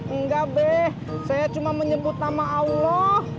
engga be saya cuma menyebut nama allah